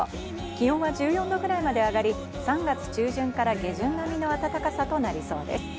気温は１４度くらいまで上がり３月中旬から下旬並みの暖かさとなりそうです。